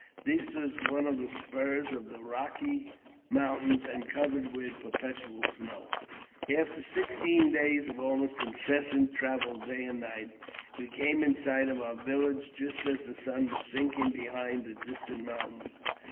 This was one of the spurs of the Eocky Mountains, and covered with perpetual snows. After sixteen days of almost incessant travel day and night,, we came in sight of our village just as the sun was sinking. JAMES P. BECKWOUBTH. 276 behind the distant mountains.